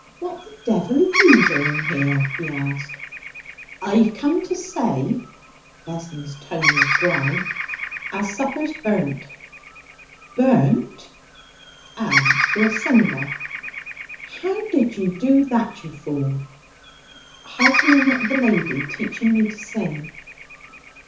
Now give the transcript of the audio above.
'What the devil are you doing here?' he asked. 'I've come to say' Vessons' tone was dry 'as supper's burnt.' 'Burnt?' 'Ah, to a cinder.' 'How did you do that, you fool?' 'Harkening at the lady teaching me to sing.'